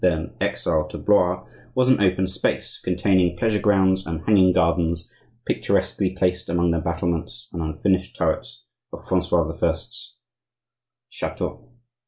then exiled to Blois), was an open space containing pleasure grounds and hanging gardens, picturesquely placed among the battlements and unfinished turrets of Francois I.'s chateau.